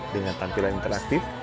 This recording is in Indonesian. dengan tampilan interaktif